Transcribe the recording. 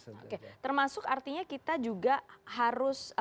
oke termasuk artinya kita juga harus